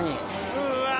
うわ！